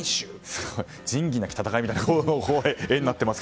すごい。仁義なき戦いみたいな絵になってますが。